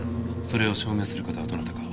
それを証明する方はどなたか。